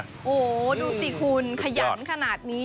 โอ้โหดูสิคุณขยันขนาดนี้